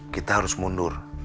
kita harus mundur